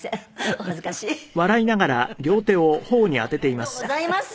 ありがとうございます！